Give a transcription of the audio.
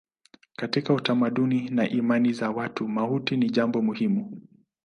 Katika utamaduni na imani za watu mauti ni jambo muhimu.